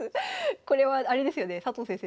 これはあれですよね佐藤先生